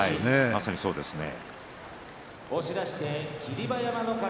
まさにそうですね。